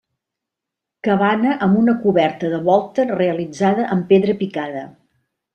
Cabana amb una coberta de volta realitzada amb pedra picada.